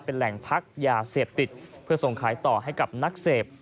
เป็นแหล่งพักยาเสพติดเพื่อส่งขายต่อให้กับนักเสพ